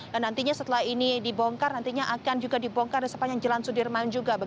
dan nantinya setelah ini dibongkar nantinya akan juga dibongkar di sepanjang jalan sudirman juga